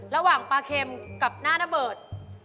ระหว่างปลาเค็มกับหน้าระเบิด